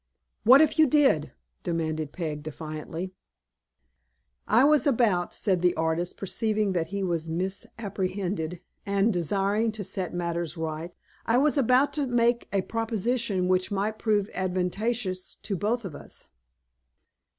"What if you did?" demanded Peg, defiantly. "I was about," said the artist, perceiving that he was misapprehended, and desiring to set matters right, "I was about to make a proposition which might prove advantageous to both of us."